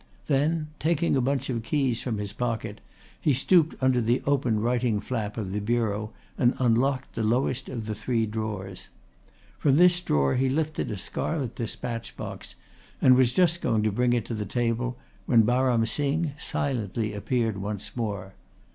Then taking a bunch of keys from his pocket he stooped under the open writing flap of the bureau and unlocked the lowest of the three drawers. From this drawer he lifted a scarlet despatch box, and was just going to bring it to the table when Baram Singh silently appeared once more.